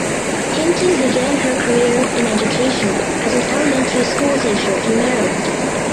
Hinton began her career in education as an elementary schoolteacher in Maryland.